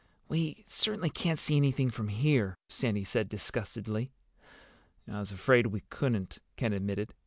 "We certainly can't see anything from here," Sandy said disgustedly. "I was afraid we couldn't," Ken admitted.